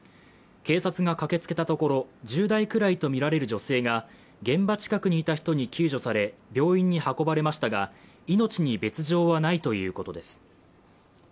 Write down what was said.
警察が駆けつけたところ、１０代くらいとみられる女性が現場近くにいた人に救助され、病院に運ばれましたが、命に別状はないということです。